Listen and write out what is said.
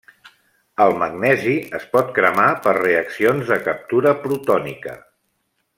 El magnesi es pot cremar per reaccions de captura protònica.